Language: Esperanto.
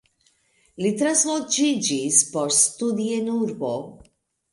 Li transloĝiĝis por studi en urbo.